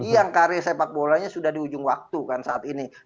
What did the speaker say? yang karya sepak bolanya sudah di ujung waktu kan saat ini